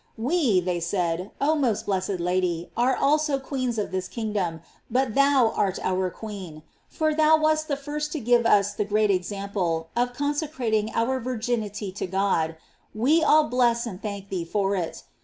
f We, they said, oh most blessed Lady, are also queens of this kingdom, but thou art our queen; for thou wast the first to give us the great example of consecrating our virginity to God; we all bless and thank thee for it.